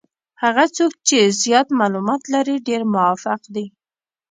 هغه څوک چې زیات معلومات لري ډېر موفق دي.